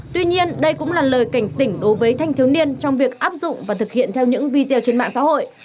tuy nhiên đây cũng là lời cảnh tỉnh đối với thanh thiếu niên trong việc áp dụng và thực hiện theo những video trên mạng xã hội